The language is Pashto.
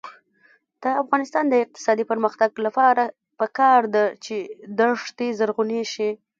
د افغانستان د اقتصادي پرمختګ لپاره پکار ده چې دښتي زرغونې شي.